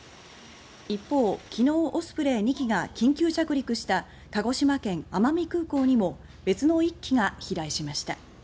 一方、昨日オスプレイ２機が緊急着陸した鹿児島県奄美空港にも別の１機が飛来しました。